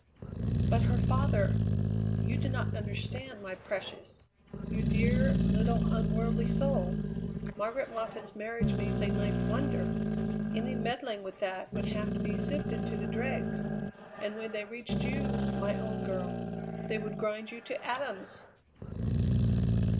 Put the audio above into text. "But her father! You do not understand, my precious. You dear, little, unworldly soul! Margaret Moffatt's marriage means a ninth wonder. Any meddling with that would have to be sifted to the dregs. And when they reached you, my own girl, they would grind you to atoms!"